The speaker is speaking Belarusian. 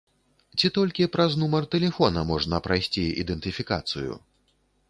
Ці толькі праз нумар тэлефона можна прайсці ідэнтыфікацыю?